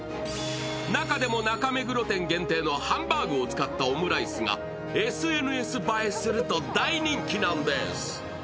中でも中目黒店限定のハンバーグを使ったオムライスがＳＮＳ映えすると大人気なんです。